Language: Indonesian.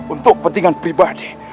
untuk pentingan pribadi